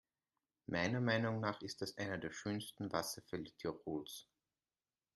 Meiner Meinung nach ist das einer der schönsten Wasserfälle Tirols.